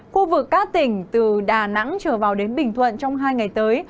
khu vực các tỉnh từ đà nẵng trở vào đến bình thuận trong hai ngày tới